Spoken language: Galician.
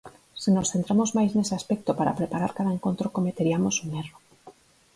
Se nos centramos máis nese aspecto para preparar cada encontro cometeriamos un erro.